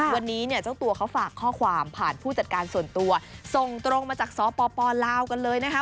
วันนี้เนี่ยเจ้าตัวเขาฝากข้อความผ่านผู้จัดการส่วนตัวส่งตรงมาจากสปลาวกันเลยนะคะ